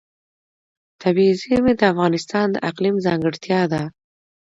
طبیعي زیرمې د افغانستان د اقلیم ځانګړتیا ده.